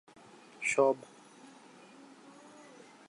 তাই জাতিসংঘ ইরাকের উপর অর্থনৈতিক নিষেধাজ্ঞা আরোপ করে।